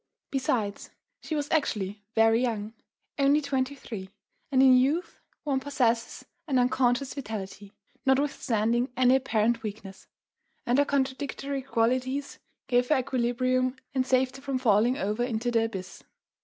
Besides, she was actually very young, only twenty three; and in youth one possesses an unconscious vitality, notwithstanding any apparent weakness. And her contradictory qualities gave her equilibrium and saved her from falling over into the abyss....